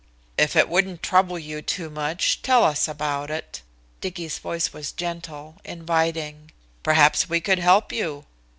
"If it wouldn't trouble you too much, tell us about it." Dicky's voice was gentle, inviting. "Perhaps we could help you."